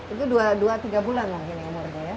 itu dua tiga bulan mungkin umurnya ya